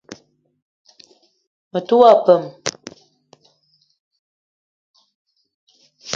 Me te wo peum.